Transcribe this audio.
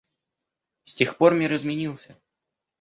С тех пор мир изменился.